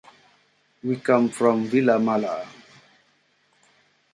We come from Vilamalla.